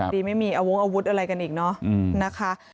ดีไม่มีอาวงอาวุธอะไรกันอีกเนอะนะคะ